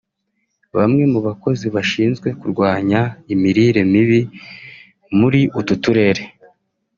Bamwe mu bakozi bashinzwe kurwanya imirire mibi muri utu turere